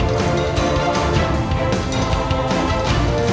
eh wasapun adalah puteranya jangan putraku langsung sert gw